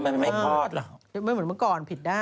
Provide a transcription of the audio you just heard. แต่ถ้าทำไมมันไม่คลอดหรอน้องพอมศภาพเหมือนเมื่อก่อนผิดได้